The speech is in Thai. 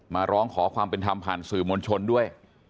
มาร้องขอความเป็นธรรมผ่านสื่อมวลชนด้วย